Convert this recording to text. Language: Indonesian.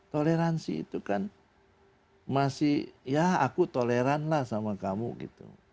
toleransi itu kan masih ya aku toleran lah sama kamu gitu